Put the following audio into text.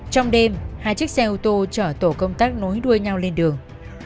trong đêm hai chiếc xe ô tô chở tổ công tác nối đuôi nhau lên đường